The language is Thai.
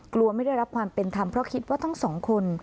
กลัวไม่ได้รับความเป็นธรรมเพราะคิดว่าทั้งสองคน